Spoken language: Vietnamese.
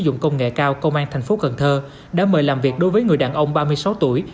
dụng công nghệ cao công an thành phố cần thơ đã mời làm việc đối với người đàn ông ba mươi sáu tuổi